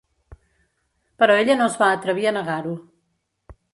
Però ella no es va atrevir a negar-ho.